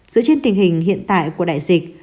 giữa trên tình hình hiện tại của đại dịch